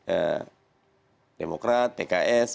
ada demokrat pks